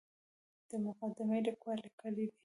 د مقدمې لیکوال لیکلي دي.